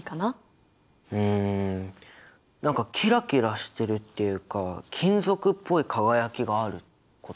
うん何かキラキラしてるっていうか金属っぽい輝きがあること？